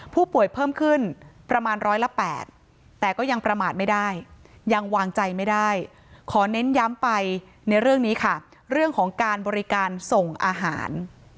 ผู้ป่วยเพิ่มขึ้นประมาณร้อยละ๘แต่ก็ยังประมาทไม่ได้ยังวางใจไม่ได้ขอเน้นย้ำไปในเรื่องนี้ค่ะเรื่องของการบริการส่งอาหาร